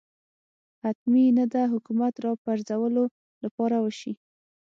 حتمي نه ده حکومت راپرځولو لپاره وشي